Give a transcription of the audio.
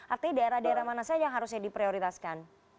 artinya daerah daerah mana saja yang harusnya diprioritaskan